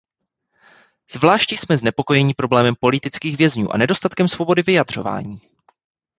Zvláště jsme znepokojeni problémem politických vězňů a nedostatkem svobody vyjadřování.